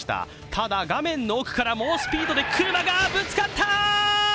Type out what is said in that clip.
ただ画面の奥から猛スピードで車がぶつかった！